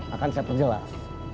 akan saya perjelas